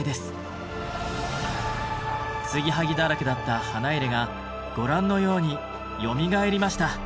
継ぎはぎだらけだった花入がご覧のようによみがえりました。